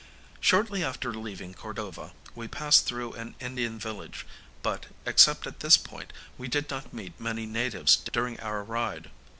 Shortly after leaving Cordova we passed through an Indian village; but, except at this point, we did not meet many natives during our ride.